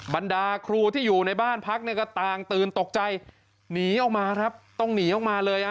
บรรดาครูที่อยู่ในบ้านพักเนี่ยก็ต่างตื่นตกใจหนีออกมาครับต้องหนีออกมาเลย